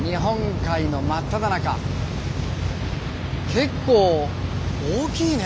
結構大きいね。